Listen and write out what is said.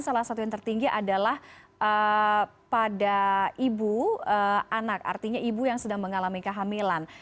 salah satu yang tertinggi adalah pada ibu anak artinya ibu yang sedang mengalami kehamilan